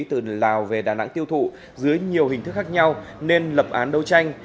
từ lào về đà nẵng tiêu thụ dưới nhiều hình thức khác nhau nên lập án đấu tranh